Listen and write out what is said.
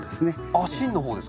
あっ芯の方ですか？